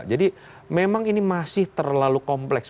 jadi memang ini masih terlalu kompleks